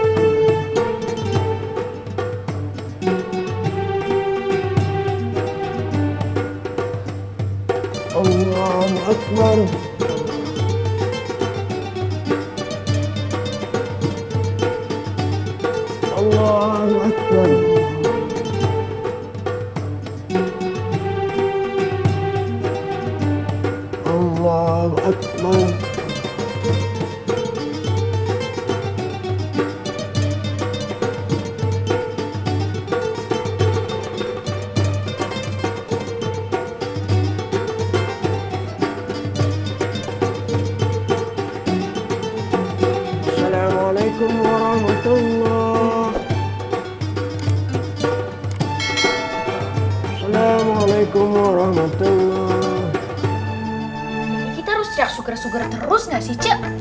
kita harus siap suger suger terus gak sih ce